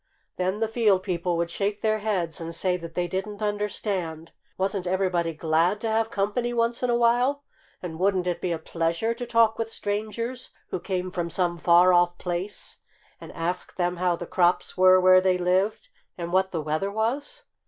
Then the field people would shake their heads and say that they didn't understand. Wasn't everybody glad to have company once in a while? And wouldn't it be a pleasure to talk with strangers who came from some far off place, and ask them how the crops were where they lived, and what the weather was?